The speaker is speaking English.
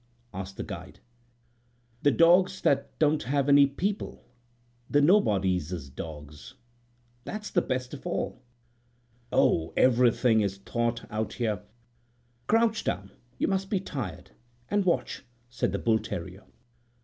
asked the guide. "The dogs that don't have any people—the nobodies' dogs?" "That's the best of all. Oh, everything is thought out here. Crouch down,—you must be tired,—and watch," said the bull terrier.